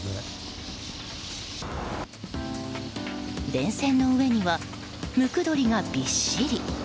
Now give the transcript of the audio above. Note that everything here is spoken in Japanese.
電線の上にはムクドリがびっしり。